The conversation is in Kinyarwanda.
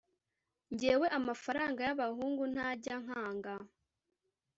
Njyewe amafaranga yabahungu ntajya ankanga